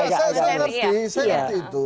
saya mengerti itu